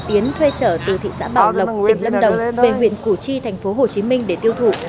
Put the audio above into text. tiến thuê trở từ thị xã bảo lộc tỉnh lâm đồng về huyện củ chi thành phố hồ chí minh để tiêu thụ